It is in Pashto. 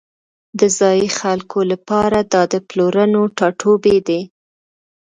د ځایی خلکو لپاره دا د پلرونو ټاټوبی دی